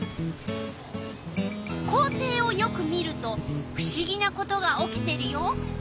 校庭をよく見るとふしぎなことが起きてるよ！